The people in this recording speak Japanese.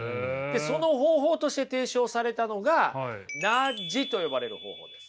その方法として提唱されたのがナッジと呼ばれる方法です。